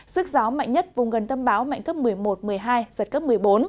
sức gió mạnh nhất vùng gần tâm bão mạnh cấp một mươi một giật cấp một mươi bốn